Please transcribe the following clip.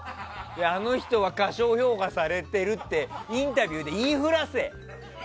あの人は過小評価されてるってインタビューで言いふらせ！